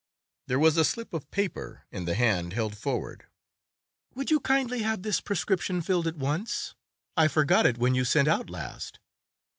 There was a slip of paper in the hand held forward. "Would you kindly have this prescription filled at once? I forgot it when you sent out last."